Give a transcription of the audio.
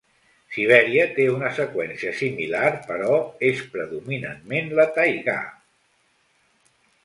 Sibèria té una seqüència similar però és predominantment la taigà.